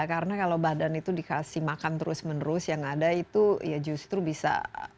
karena kalau badan itu dikasih makan terus menerus yang ada itu ya justru bisa